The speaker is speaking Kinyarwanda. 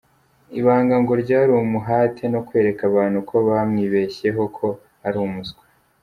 Ibanga ngo ryari umuhate no kwereka abantu ko bamwibeshyeho ko ari umuswa.